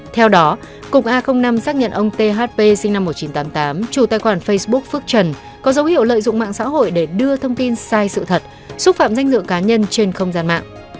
theo đó cục a năm xác nhận ông thp sinh năm một nghìn chín trăm tám mươi tám chủ tài khoản facebook phước trần có dấu hiệu lợi dụng mạng xã hội để đưa thông tin sai sự thật xúc phạm danh dự cá nhân trên không gian mạng